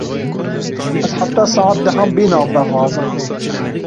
Ez heta saet dehan bênavber razam.